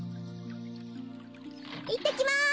いってきます！